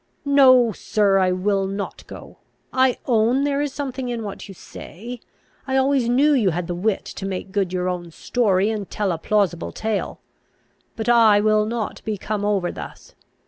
"No, sir, I will not go. I own there is something in what you say. I always knew you had the wit to make good your own story, and tell a plausible tale. But I will not be come over thus.